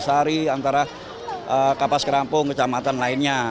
antri lagi bersari antara kapas kerampung kecamatan lainnya